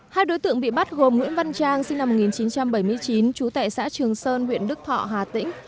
hai đối tượng bị bắt gồm nguyễn văn trang sinh năm một nghìn chín trăm bảy mươi chín trú tại xã trường sơn huyện đức thọ hà tĩnh